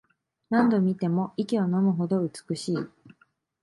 何度見ても息をのむほど美しい